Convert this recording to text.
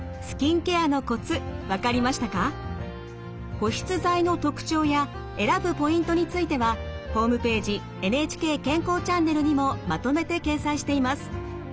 保湿剤の特徴や選ぶポイントについてはホームページ「ＮＨＫ健康チャンネル」にもまとめて掲載しています。